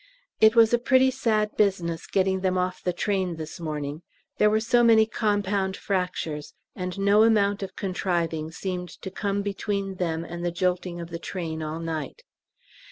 It was a pretty sad business getting them off the train this morning; there were so many compound fractures, and no amount of contriving seemed to come between them and the jolting of the train all night.